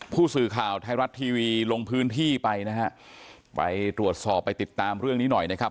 ผู้สื่อข่าวไทยรัฐทีวีลงพื้นที่ไปนะฮะไปตรวจสอบไปติดตามเรื่องนี้หน่อยนะครับ